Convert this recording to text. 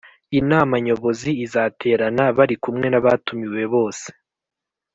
Inama nyobozi izaterana bari kumwe n’abatumiwe bose